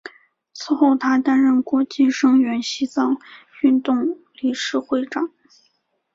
此后他担任国际声援西藏运动理事会长。